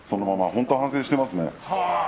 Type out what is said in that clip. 本当反省してますね。